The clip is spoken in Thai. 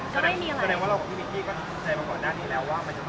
ก็ไม่มีอะไรแสดงว่าเราก็พี่มิคกี้ก็ถึงใจมาก่อนด้านนี้แล้วว่า